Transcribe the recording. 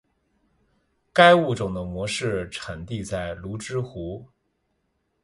该物种的模式产地在芦之湖。